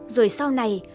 rồi sau này